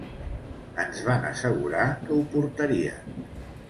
Ens van assegurar que ho portarien.